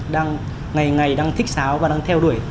đang ngày ngày đang thích sáo và đang theo đuổi